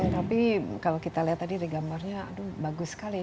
tapi kalau kita lihat tadi ada gambarnya aduh bagus sekali